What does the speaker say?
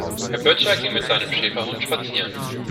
Herr Böttcher ging mit seinem Schäferhund spazieren.